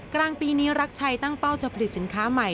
กลางปีนี้รักชัยตั้งเป้าจะผลิตสินค้าใหม่